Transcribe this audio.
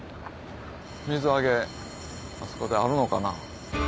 水揚げあそこであるのかな？